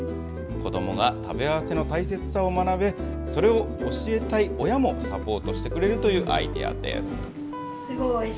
子どもが食べ合わせの大切さを学び、それを教えたい親もサポートしてくれるというアイデアです。